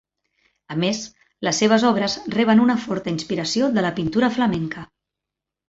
A més, les seves obres reben una forta inspiració de la pintura flamenca.